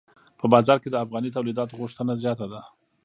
په بازار کې د افغاني تولیداتو غوښتنه زیاته ده.